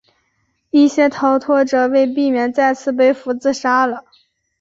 一些逃脱者为避免再次被俘自杀了。